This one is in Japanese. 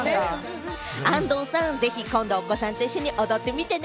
安藤さん、ぜひ今度お子さんと一緒に踊ってみてね！